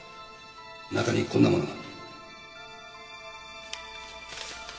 中にこんなものが。